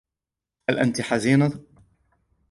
هل أنتِ حزينة؟